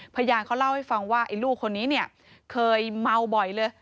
พยานเขาเล่าให้ฟังว่าไอ้ลูกคนนี้เนี่ยเคยเมาบ่อยเลย